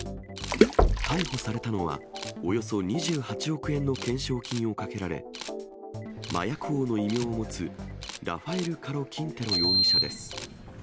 逮捕されたのは、およそ２８億円の懸賞金をかけられ、麻薬王の異名を持つ、ラファエル・カロ・キンテロ容疑者です。